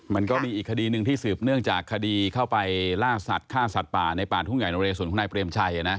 มันก็มีอีกคดีหนึ่งที่สืบเนื่องจากคดีเข้าไปล่าสัตว์ฆ่าสัตว์ป่าในป่าทุ่งใหญ่นเรสวนของนายเปรมชัย